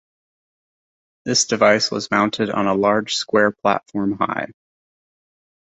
This device was mounted on a large square platform high.